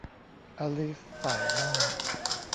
อลิซส่ายหน้า